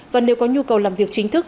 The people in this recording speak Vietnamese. và nếu có nhu cầu làm việc chính thức